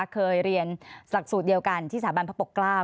เคยเรียนหลักสูตรเดียวกันที่สถาบันพระปกเกล้า